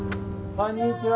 こんにちは。